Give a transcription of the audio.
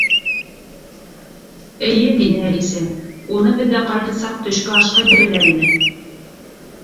—Эйе, —тине Әлисә, —уны беҙҙә ҡайһы саҡ төшкө ашҡа бирәләр ине.